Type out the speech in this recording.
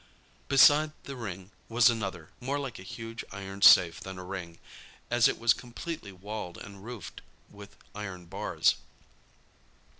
Beside the ring was another, more like a huge iron safe than a ring, as it was completely walled and roofed with iron bars.